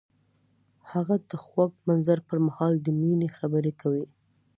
هغه د خوږ منظر پر مهال د مینې خبرې وکړې.